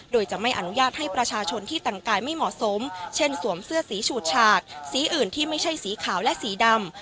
โดยจะไม่อนุญาตให้ประชาชนที่แต่งกายไม่เหมาะสมเช่นสวมเสื้อสีฉูดฉากสีอื่นที่ไม่ใช่สีขาวและสีดำ